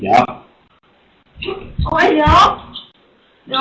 เข้าไปไหน